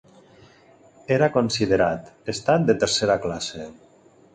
Era considerat estat de tercera classe.